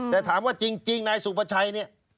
แต่ถามว่าจริงนายสุภาชัยเนี่ย